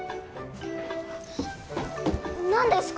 何ですか？